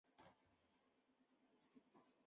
天钿女命。